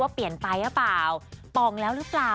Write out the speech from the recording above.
เปลี่ยนไปหรือเปล่าป่องแล้วหรือเปล่า